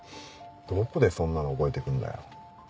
どこでそんなの覚えてくんだよ。